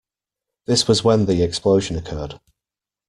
This was when the explosion occurred.